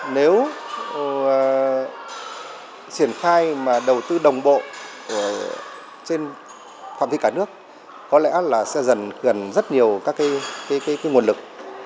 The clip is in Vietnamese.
nếu triển khai mà đầu tư đồng bộ trên phạm vi cả nước có lẽ là sẽ dần gần rất nhiều các nguồn lực